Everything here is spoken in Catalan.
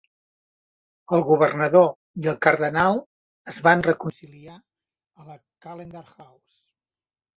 El governador i el cardenal es van reconciliar a la Callendar House.